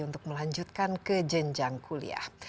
untuk melanjutkan ke jenjang kuliah